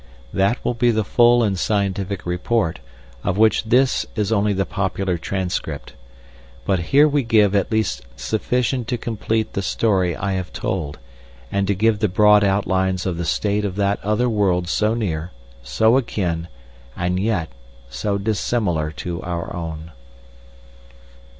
That will be the full and scientific report, of which this is only the popular transcript. But here we give at least sufficient to complete the story I have told, and to give the broad outlines of the state of that other world so near, so akin, and yet so dissimilar to our own.